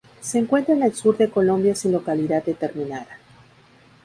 Se encuentra en el sur de Colombia sin localidad determinada.